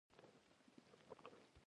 شپېته سلنه قیر یا بټومین هم پکې استعمالیږي